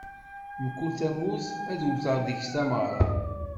Mkul tamurt, ad wteɣ deg-s tameɣra.